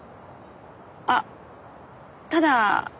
あっただ。